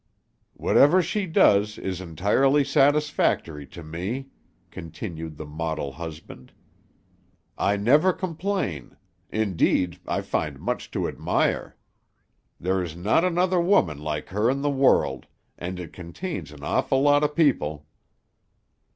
"Whatever she does is entirely satisfactory to me," continued the model husband. "I never complain; indeed, I find much to admire. There is not another woman like her in the world, and it contains an awful lot of people."